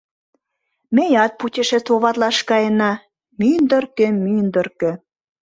— Меат путешествоватлаш каена, мӱндыркӧ-мӱндыркӧ.